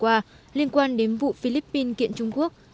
hồi tháng bảy vừa qua liên quan đến vụ philippines kiện trung quốc